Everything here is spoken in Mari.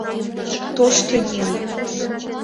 «Тоштыеҥ